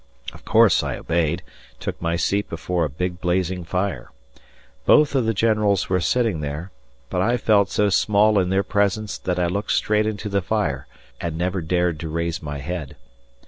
Of course I obeyed and took my seat before a big, blazing fire. Both of the generals were sitting there, but I felt so small in their presence that I looked straight into the fire and never dared to raise my head.